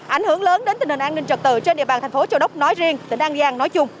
ảnh hưởng lớn đến tình hình an ninh trật tự trên địa bàn thành phố châu đốc nói riêng tỉnh an giang nói chung